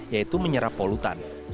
yaitu menyerap polutan